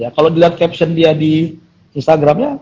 kalau dilihat caption dia di instagramnya